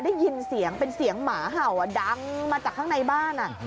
ได้ยินเสียงเป็นเสียงหมาเห่าดังมาจากข้างในบ้าน